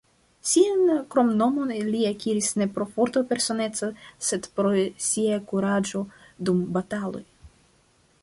Sian kromnomon li akiris ne pro forta personeco, sed pro sia kuraĝo dum bataloj.